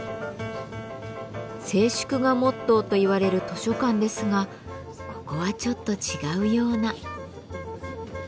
静粛がモットーといわれる図書館ですがここはちょっと違うような。